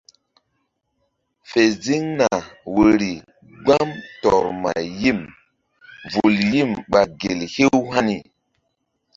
Fe ziŋ na woyri gbam tɔr ma yim vul yim míɓa gel hew hani.